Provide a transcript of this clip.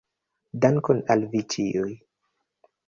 Dankon al Vi Ĉiuj!